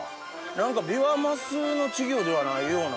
何かビワマスの稚魚ではないような。